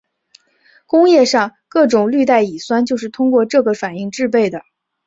工业上各种氯代乙酸就是通过这个反应制备的。